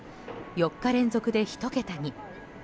４日連続で１桁に。